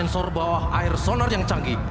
sensor bawah air sonar yang canggih